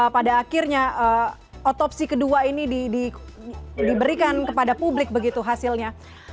pada akhirnya otopsi kedua ini diberikan kepada publik begitu hasilnya